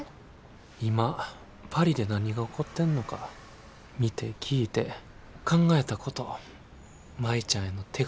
今パリで何が起こってんのか見て聞いて考えたこと舞ちゃんへの手紙のつもりで書いてる。